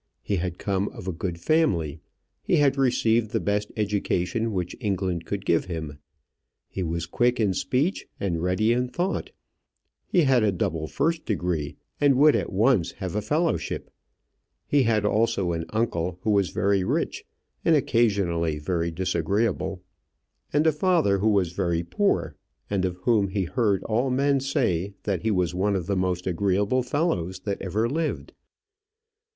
He had come of a good family; he had received the best education which England could give him; he was quick in speech and ready in thought; he had a double first degree, and would at once have a fellowship; he had also an uncle who was very rich and occasionally very disagreeable, and a father who was very poor, and of whom he heard all men say that he was one of the most agreeable fellows that ever lived.